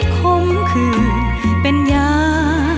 คมคืนเป็นยา